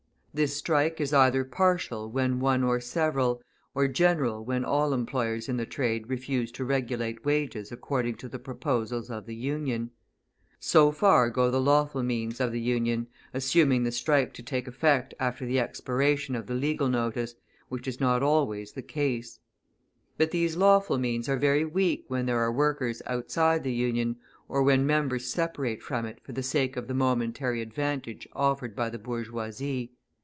This strike is either partial when one or several, or general when all employers in the trade refuse to regulate wages according to the proposals of the Union. So far go the lawful means of the Union, assuming the strike to take effect after the expiration of the legal notice, which is not always the case. But these lawful means are very weak when there are workers outside the Union, or when members separate from it for the sake of the momentary advantage offered by the bourgeoisie.